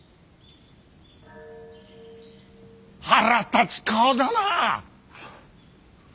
腹立つ顔だなあ！